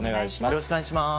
よろしくお願いします。